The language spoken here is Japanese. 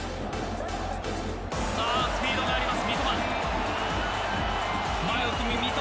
さあスピードがあります三笘。